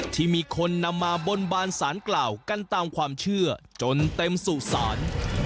ที่มีคนนำมาบนบานสารกล่าวกันตามความเชื่อจนเต็มสุสาน